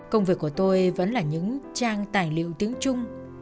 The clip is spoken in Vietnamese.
công việc của tôi vẫn là những trang tài liệu tiếng trung